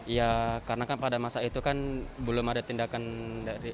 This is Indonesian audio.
ya karena kan pada masa itu kan belum ada tindakan dari